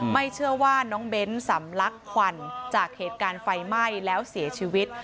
ไม่เชื่อว่าน้องเบ้นสำลักควันจากเหตุการณ์ไฟไหม้แล้วเสียชีวิต